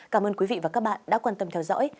cảm ơn quý vị và các bạn đã quan tâm theo dõi